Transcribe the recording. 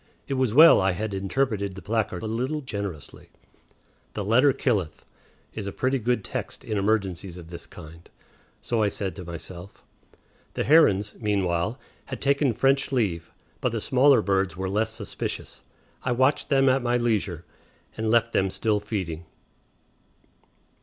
It was well I had interpreted the placard a little generously. "The letter killeth" is a pretty good text in emergencies of this kind. So I said to myself. The herons, meanwhile, had taken French leave, but the smaller birds were less suspicious; I watched them at my leisure, and left them still feeding.